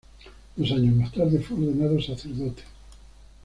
Dos años más tarde fue ordenado sacerdote.